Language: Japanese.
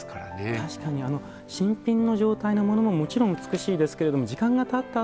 確かに新品の状態のものももちろん美しいですけれども時間がたった